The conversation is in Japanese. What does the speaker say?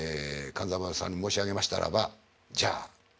勘三郎さんに申し上げましたらば「じゃあ